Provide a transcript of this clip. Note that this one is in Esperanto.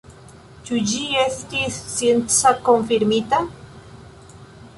Ĉu ĝi estis science konfirmita?